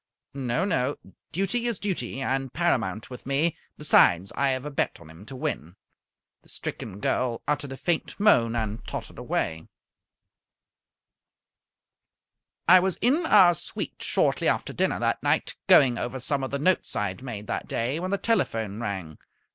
"No, no. Duty is duty, and paramount with me. Besides, I have a bet on him to win." The stricken girl uttered a faint moan, and tottered away. I was in our suite shortly after dinner that night, going over some of the notes I had made that day, when the telephone rang.